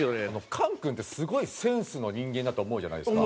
菅君ってすごいセンスの人間だと思うじゃないですか。